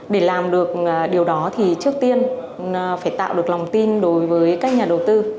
để làm được điều đó thì trước tiên phải tạo được lòng tin đối với các nhà đầu tư